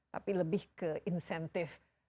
tapi lebih ke insentif